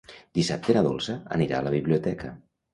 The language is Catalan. Dissabte na Dolça anirà a la biblioteca.